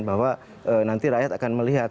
bahwa nanti rakyat akan melihat